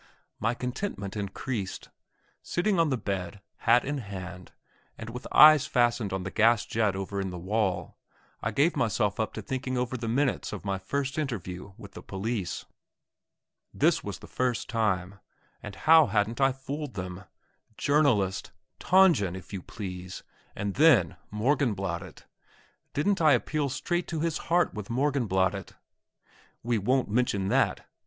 My contentment increased. Sitting on the bed, hat in hand, and with eyes fastened on the gas jet over in the wall, I gave myself up to thinking over the minutes of my first interview with the police. This was the first time, and how hadn't I fooled them? "Journalist! Tangen! if you please! and then Morgenbladet!" Didn't I appeal straight to his heart with Morgenbladet? "We won't mention that!